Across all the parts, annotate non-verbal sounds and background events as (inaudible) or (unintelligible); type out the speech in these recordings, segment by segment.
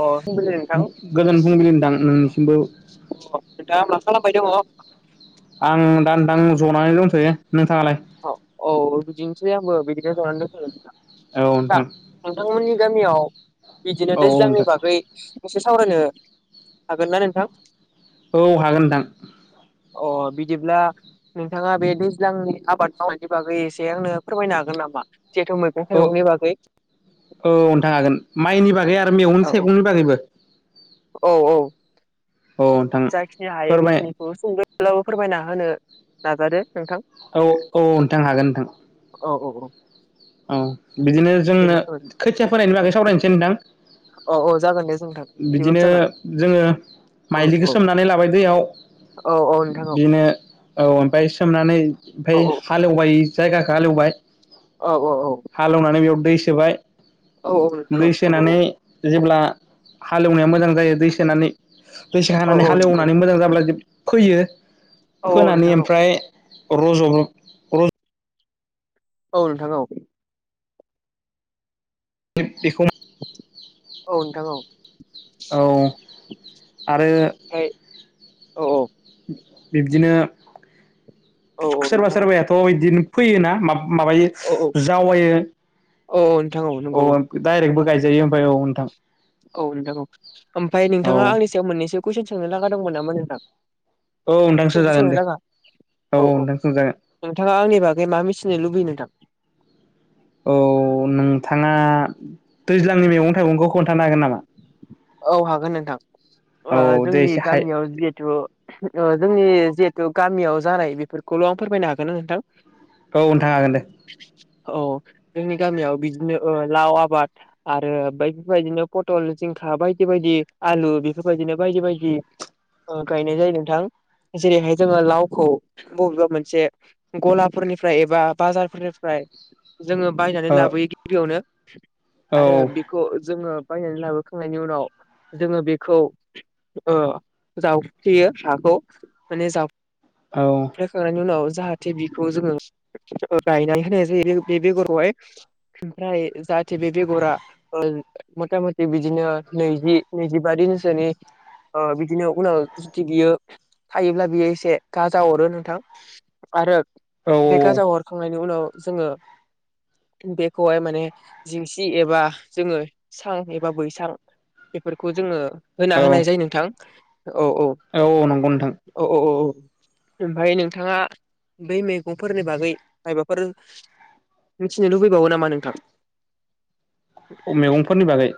अ पुंबिलि नोंथां गोजोन फुंबिलि नोंथां नोंनिसिमबो (unintelligible) अ नोंथाङा हब्ला खालामबाय दंअ आं दा नोंदां जनानै दंथयो नोंथाङालाय औ औ बिदिनोसै आंबो बिदिनो जनानै दंथयो नोंथां नोंथांमोननि गामियाव बिदिनो औ औ दैज्लांनि नोंथां बागै मोनसे सावरायनो हागोन ना नोंथां औ हागोन नोंथां अ बिदिब्ला नोंथाङा बे दैज्लांनि आबाद मावनायनि बागै एसे आंनो फोरमायनो हागोन नामा? जिहेथु मैगं औ थाइगंनि बागै औ नोंथां हागोन माइनि बागैआ आरो मैगं औ थाइगंनि बागैबो औ औ औ नोंथां जाखिनि हायो फोरमाय बेखिनिखौ सों जेब्लाबो फोरमायना होनो नाजादो। नोंथां औ औ नोंथां हागोन नोंथां। औ औ औ औ बिदिनो बेनो जोंनो फोरमाय खोथिया फोनाय नि बागै सावरायनोसै नोंथां औ औ जागोन दे नोंथां बिदिबाबो बिदिनो जागोन जोङो औ माइलिखौ औ सोमनानै लाबाय दैयाव औ औ नोंथां औ बिनो औ ओमफ्राय सोमनानै ओमफ्राय औ हालेवबाय जायगाखौ हालेवबाय औ औ औ हालेवनानै बेयाव दै सोबाय औ औ नोंथां औ दै नंगौ सोनानै जेब्ला हालेवनाया मोजां जायो दै सोनानै औ दैसखानानै हालेवनानै औ मोजां जाब्ला ज फोयो औ फोनानै नोंथां औ ओमफ्राय रज' र औ नोंथा औ बेखौ औ नोंथां औ औ आरो ओमफ्राय औ औ बिब्दिनो औ औ सोरबा नोंथां सोरबायाथ' बिदिनो फैयोना माब माबायो औ जावायो औ नोंथां औ अ नंगौ दाइरेक्टबो गाय जायो ओमफ्राय औ नोंथां औ नोंथां औ ओमफ्राय औ नोंथाङा आंनि सायाव मोननैसो कुइसन सोंनो लागा दंमोन नामा नोंथां औ नोंथां सोंथि सोंजागोन सोंनो दे लागा औ औ नोंथाङा आंनि बागै मा मिथिनो लुबैयो नोंथां? औ नोंथाङा दैज्लांनि मैगं थाइगंखौ खोन्थानो हागोन नामा? औ हागोन नोंथां औ ओ दे जोंनि एसे हाय गामियाव जिहेथु। ओ जोंनि जिहेतु गामियाव जानाय बेफोरखौल' फोरमायनो हागोन ना नोंथां? औ नोंथां हागोन दे। औ जोंनि गामियाव बिदिनो ओ लाव आबाद आरो बैफोर बाययदिनो पटल जिं खा बायदि-बायदि आलु बेफोरबायदिनो बायदि-बायदि ओ गायनाय जायो नोंथां। जेरैहाय जोङो लावखौ बबेबा मोनसे गलाफोरनिफ्राय एबा बाजारफोरनिफ्राय। (unintelligible) जोङो बायनानै औ लाबोयो गिबियावनो आरो औ बेखौ जोङो बायनानै लाबो खांनायनि उनाव जोङो बेखौ ओ जावफ्लेयो हाखौ माने जा औ फ्ले खांनायनि उनाव जाहाथे बिखौ जोङो ओ गायनानै होनाय जायो बे बेगरखौहाय। ओमफ्राय जाहाथे बे बेगरा ओ मथा-मथि बिदिनो नैजि नैजिबारि निसोनि ओ बिदिनो उनाव जुदि बियो थायोब्ला बियो एसे गा दाव हरो नोंथां आरो औ बे गाजा हरखांनायनि उनाव जोङो। बेखौहाय माने जिंसि एबा जोङो सां एबा बैसां। बेफोरखौ जोङो। होना औ होनाय जायो नोंथां औ नंगौ नोंथां औ-औ-औ-औ-औ। ओमफ्राय नोंथाङा बै मैगंफोरनि बागै मायबा फोर मिथिनो लुबैबावो नामा नोंथां? अ मैगंफोरनि बागै।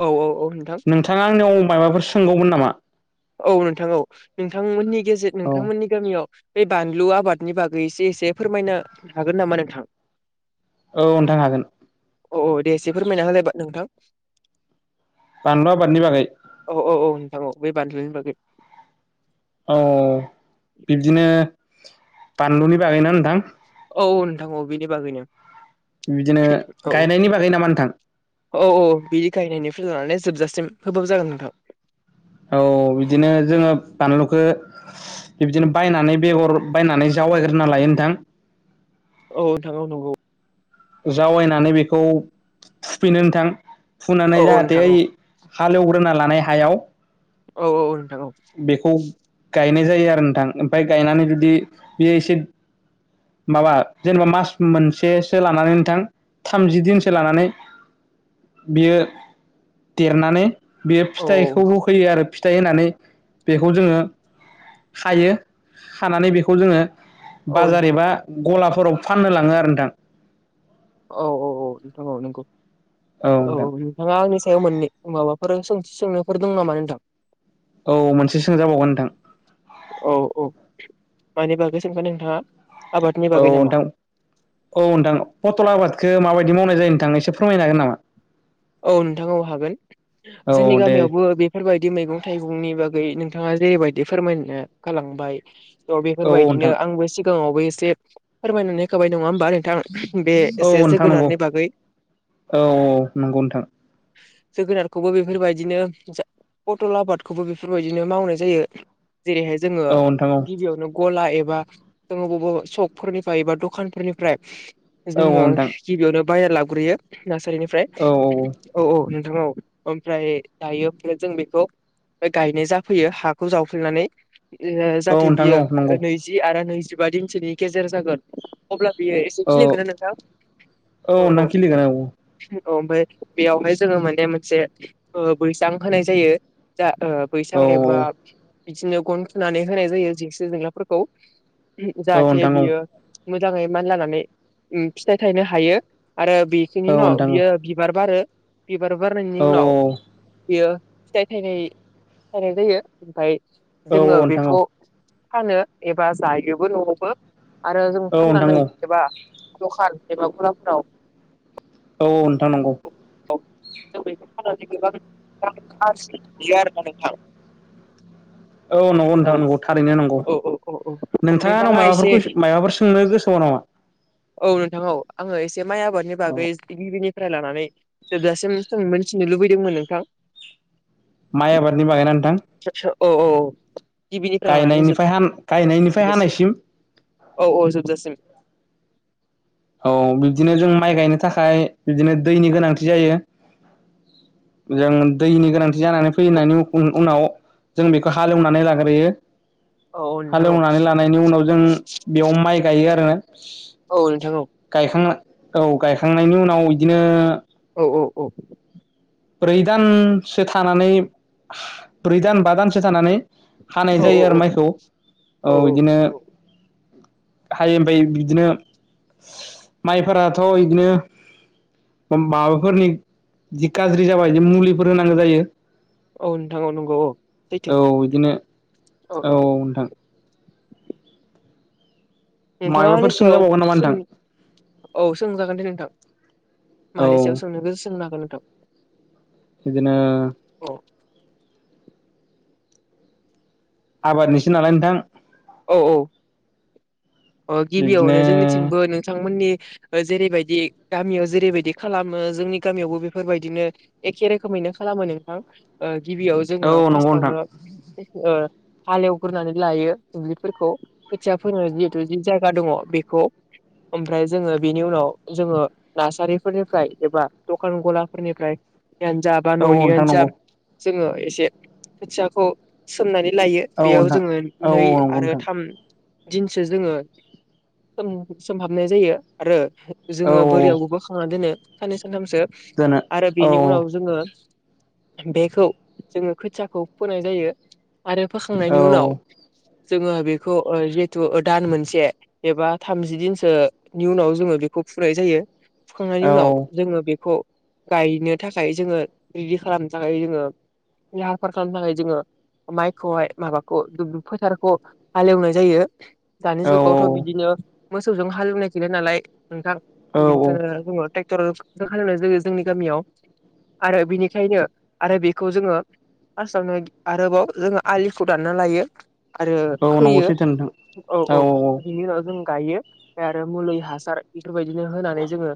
औ-औ-औ। नोंथाङा आंनिआव मायबाफोर सोंगौमोन नामा? औ नोंथां औ नोंथांमोननि गेजे औ नोंथांमोननि गामियाव। बे बानलु आबादनि बागै एसे-एसे फोरमायना हागोन नामा नोंथां? औ नोंथां हागोन। अ'-अ' दे एसे फोरमायना होलायबा नोंथां। बानलु आबादनि बागै। औ-औ-औ नोंथां औ बे बानलुनि बागै। औ बिब्दिनो बानलुनि बागैना नोंथां? औ-औ नोंथां औ बेनि बागैनो। बिदिनो गायनायनि बागै नामा नोंथां? औ-औ बिदि गायनायनिफ्राय लानानै जोबजासिम होबाबो जागोन नोंथां। औ बिदिनो जोङो बानलुखौ बिदिनो बायनानै बेगर बायनानै जावायग्रोना ला नोंथां। औ नोंथां औ नंगौ। जावैनानै बेखौ फुफिनो नोंथां। औ फुनानै औ जाहाथे नोंथां औ ओइ हालेवग्रोना लानाय हायाव। औ-औ। बेखौ गायनाय जायो आरो नोंथां ओमफ्राय गायनानै जुदि बेयो एसे माबा जेनेबा मास मोनसेसो लानानै नोंथां। थामजि दिनसो लानानै बियो देरनानै। बेयो औ फिथाइखौबो फोयो आरो फिथाइ होनानै बेखौ जोङो खायो खानानै बेखौ जोङो औ बाजार नोंथां औ एबा गला फोरावबो फाननो लाङो आरो नोंथां। औ औ औ नोंथां औ नंगौ औ औ नोंथाङा आंनि सायाव मोननै माबाफोर सोंथि सोंनोफोर दं नामा नोंथां? औ मोनसे सोंजाबावगोन नोंथां। औ-औ मानि बागै सोंगोन नोंथाङा? आबादनि औ बागै नामा? नोंथां औ नोंथां पथल आबादखौ माबायदि- मावनाय जायो थांनो एसे फोरमायनो हागोन नामा? औ नोंथां औ हागोन जोंनि औ दे गामियावबो बेफोरबायदि दि मैगं थाइगंनि बागै नोंथाङा जेरैबायदि फोरमायना गालांबाय औ बेफोरबायदिनो आंबो सिगाङावबो एसे फोरमायनानै होखाबाय नङा होम बा नोंथां बे औ एसे नोंथां नंगौ जोगोनारनि बागै औ औ नंगौ नोंथां। जोगोनारखौबो बेफोरबायदिनो जा पटल आबादखौबो बेफोरबायदिनो मावनाय जायो ।जेरैहाय जोङो औ नोंथां औ गिबियावनो गला एबा जोङो बबेबा सशकफोरनिफ्राय एबा दखानफोरनिफ्राय औ जोङो नोंथां गिबियावनो बायना लाबग्रोयो नार्सारिनिफ्राय औ औ औ औ नोंथां औ ओमफ्राय दायो ओमफ्राय जों बेखौ गायनाय जाफैयो हाखौ जावफ्लेनानै। ओ औ जाहाथे नोंथां बियो औ नंगौ नैजि आरो नैजिबा दिनसोनि गेजेर जागोन अब्ला बियो एसे औ खिलिगोनना नोंथां औ औ औ ओमफ्राय बेयावहाय जोङो माने मोनसे ओ बैसां होनाय जायो दा ओ बैसां औ एबा बिदिनो गन थुनानै होनाय जायो जेंसि जेंलाफोरखौ। औ जाहाथे नोंथां औ बियो मोजाङै मानलानानै फिथाइ थायनो हायो। आरो बेखिनि औ न' नोंथां औ बियो बिबार बारो बिबार बारनायनि औ उनाव औ बियो फिथाइ थायनाय थायनाय जायो ओमफ्राय औ जोङो नोंथां बेखौ औ फानो एबा जायोबो न'आवबो आरो जों औ फाननानै नोंथां औ एबा दखान एबा गलाफोराव औ नोंथां नोंगौ। जों बेखौ फाननानै गोबां रां आरजियो आरो ना नोंथां। (inaudible) औ नंगौ नोंथां नंगौ थारैनो नंगौ। औ औ औ औ नोंथाङा आंनाव मायबाफोर एसे कुसन मायबाफोर सोंनो गोसोबाव नामा? औ नोंथां औ आं एसे माइ आबादनि बागै औ गिबिनि फ्राय लानानै जोबजासिम मोनथिनो लुबैदोंमोन नोंथां। माइ आबादनि बागैना नोंथां? औ औ औ। गिबिनिफ्राय लानानै गायनायनिफ्राय हान गायनायनिफ्राय जोबजासिम हानायसिम। औ औ जोबजासिम। औ बिब्दिनो जों माइ गायनो थाखाय बिदिनो दैनि गोनांथि जायो। जों दैनि गोनांथि जानानै औ फैनायनि उनाव जों बेखौ हालेवनानै लाग्रोयो। औ औ नोंथां औ हालेवनानै लानायनि उनाव जों बेयाव माइ गायो आरो औ नोंथां औ। गायखांना औ गायखांनायनि उनाव बिदिनो औ औ ब्रै दानसो थानानै ब्रै दान बा दानसो थानानै हानाय औ जायो आरो माइखौ औ बिदिनो हायो ओमफ्राय बिदिनो माइफोराथ' बिदिनो माबाफोरनि जि गाज्रि जाबा मुलिफोर होनांगौ जायो। औ नोंथां औ नंगौ औ। सैथो औ बिदिनो औ नोंथां। नोंथाङा आंनि माबाफोर सायाव सोंजाबावगोन नामा नोंथां सों औ सोंजागोन दे नोंथां औ मानि सायाव सोंनो गोसो सोंनो हागोन नोंथां। बिदिनो औ आबादनिसो नालाय नोंथां औ औ अ बिब्दिनो गिबियावनो जोंनिथिंबो नोंथांमोननि जेरैबायदि गामियाव जेरैबायदि खालामो जोंनि गामियावबो बेफोरबायदिनो एखे रोखोमै दिनो खालामो नोंथां ओ गिबियाव जोङो औ नंगौ नोंथां फार्स्टावनो ओ हालेवग्रोनानै लायो। दुब्लिफोरखौ खोथिया फोनो जिहेतु जि जायगा दङ बेखौ ओमफ्राय जोङो बेनि उनाव जोङो नार्सारिफोरनिफ्राय एबा दखान गलाफोरनिफ्राय जियानो जा बा औ औ नोंथां न'नियानो जा नंगौ जोङो एसे खोथियाखौ सोमनानै लायो औ बेयाव नोंथां जोङो औ नै नंगौ आरो थाम दिनसो जोङो ओम सोमहाबनाय जायो आरो जोङो बोरियावबो बोखांना दोनो साननै सानथामसो नोंथां आरो औ बेनि उनाव जोङो बेखौ जोङो खोथियाखौ फोनाय जायो आरो फोखांनायनि उनाव दोनो जोङो बेखौ ओ जिहेतु दान मोनसे एबा थामजि दिनसो नि उनाव जोङो बेखौ फुनाय जायो औ फुखांनायनि उनाव जोङो बेखौ गायनो थाखाय जोङो रेडि खालामनो थाखाय जोङो लाहार फाहार खालामनो थाखाय जोङो माइखौहाय माबाखौ फो फो फोथार खौ हालेवनाय जायो दानि जुगावथ' बिदिनो मोसौजों हालेवनाय गैला नालाय नोंथां औ बेनिखायनो जोङो ट्रेक्टरजोंसो हालेवनाय जायो जोंनि गामियाव आरो बिनिखायनो आरो बेखौ जोङो फार्स्टआवनो आरोबाव जोङो आलिखौ दानना लायो। आरो औ नंगौ खोयो सैथो नोंथां औ औ बिनि उनाव जों गायो आरो मुलि हासार बेफोरबायदिनो होनानै जोङो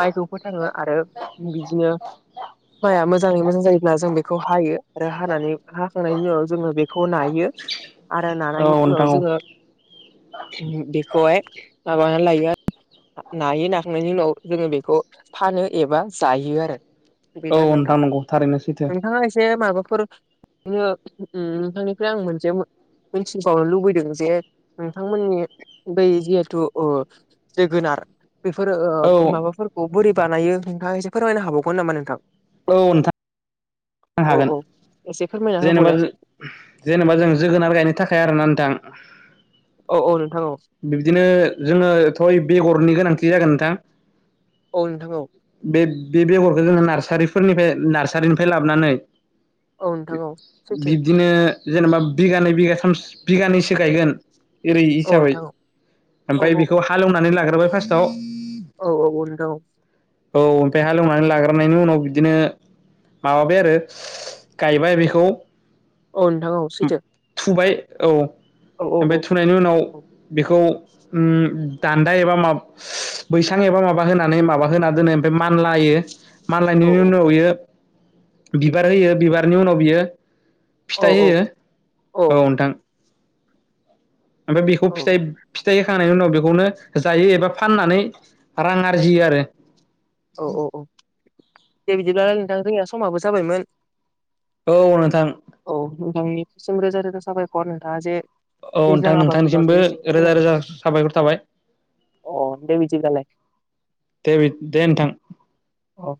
माइखौ फोथाङो आरो बिदिनो माइया मोजां मोजाङै मोजां जायोब्ला जों बेखौ हायो आरो हानानै हाखांनायनि उनाव जोङो बेखौ नायो आरो औ नानायनि उनाव नोंथां जोङो औ ओम बेखौहाय माबानानै लायो आरो नायो नाखांनायनि उनाव जोङो बेखौ फानो एबा जायो आरो औ बेनो आरो नोंथां नंगौ थारैनो सैथो नोंथाङा एसे माबा फोर बिनो ओम नोंथांनिफ्राय आं मोनसे मिथिबावनो लुबैदों जे नोंथांमोननि बै जिहेथु ओ जे गोनार बेफोर औ ओं माबाफोरखौ बोरै बानायो नोंथाङा एसे फोरमायनो हाबावगोन नामा नोंथां? औ नोंथां। औ हागोन औ एसे फोरमायना जेनेबा होबावलाय जों जेनेबा जों जोगोनार गायनो थाखाय आरोना नोंथां औ औ नोंथां औ (inaudible) बिब्दिनो जोंनोथ' बेगरनि गोनांथि जागोन नोंथां औ‌ नोंथां औ बे बे बेगरखौ जोङो नार्सारिफोरनिफ्राय नार्सारिनिफ्राय लाबोनानै औ नोंथां औ (inaudible) सैथो बिब्दिनो जेनेबा बिगानै बिगाथाम बिगानैसो गायगोन बेबादि औ हिसाबै नोंथां औ ओमफ्राय औ बेखौ हालेवनानै लाग्रोबाय फार्स्टआव औ औ नंगौ नोंथां औ औ ओमफ्राय हालेवनानै लाग्रोनायनि उनाव बिदिनो माबाबाय आरो गायबाय बेखौ औ नोंथां औ सैथो थुबाय औ औ औ ओमफ्राय थुनायनि उनाव औ बेखौ ओम दान्दा एबा माब बैसां एबा माबा होनानै माबा होना दोनो ओमफ्राय मानलायो औ मानलायनायनि उनाव इयो बिबार होयो बिबारनि उनाव बियो औ फिथाइ होयो औ नोंथां ओमफ्राय बेखौ फिथा औ फिथाइ खांनायनि उनाव बेखौनो जायो एबा फाननानै रां आरजियो आरो औ औ औ दे बिदिब्लालाय नोंथां जोंनिया समाबो जाबायमोन। औ नोंथां औ नोंथांनिसिम रोजा रोजा साबायखर नोंथाङा जे औ दैज्लां नोंथां आबादनि नोंथांनिसिमबो बागै एसे रोजा फोरमायना सम रोजा होबाय साबायखर थाबाय अ दे बिदिब्लालाय दे बि दे नोंथां औ